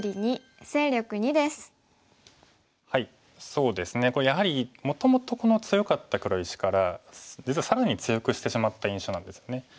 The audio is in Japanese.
そうですねこれやはりもともと強かった黒石から実は更に強くしてしまった印象なんですよね。